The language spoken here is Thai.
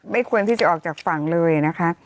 ควรที่จะออกจากฝั่งเลยนะคะ